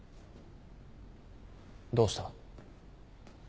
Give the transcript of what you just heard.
どうした？